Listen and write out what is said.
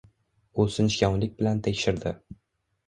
U sinchkovlik bilan tekshirdi.